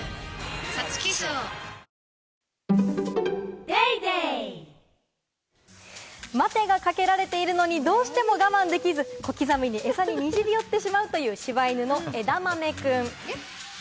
ニトリ待てがかけられているのにどうしても我慢できず、小刻みに餌ににじり寄ってしまう、しば犬のえだまめくん。